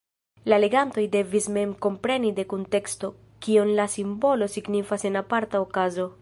La legantoj devis mem kompreni de kunteksto, kion la simbolo signifas en aparta okazo.